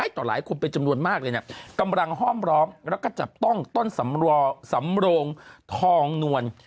ต่อหลายคนเป็นจำนวนมากเลยเนี่ยกำลังห้อมร้อมแล้วก็จับต้องต้นสำโรงทองนวล